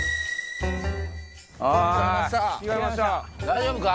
大丈夫か？